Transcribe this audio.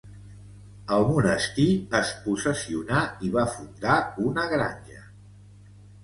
El monestir es possessionà i va fundar una granja.